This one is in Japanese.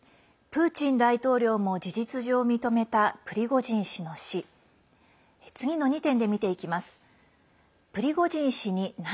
プーチン大統領も事実上認めたプリゴジン氏の死。